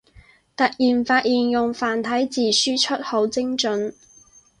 突然發現用繁體字輸出好精准